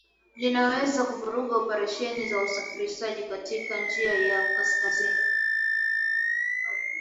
linaweza kuvuruga oparesheni za usafirishaji katika njia ya kaskazini